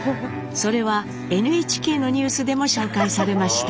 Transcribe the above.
それはＮＨＫのニュースでも紹介されました。